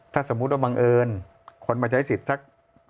ถ้าสมมุติว่าบังเอิญคนมาใช้สิทธิ์สัก